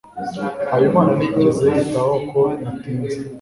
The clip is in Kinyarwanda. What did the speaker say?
Habimana ntiyigeze yitaho ko natinze.